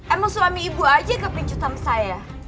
emang suami ibu aja yang kepingcut sama saya